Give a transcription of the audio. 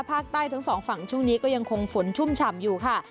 ภาคใต้ทั้งสองฝั่งช่วงนี้ก็ยังคงฝนชุ่มฉ่ำอยู่ค่ะ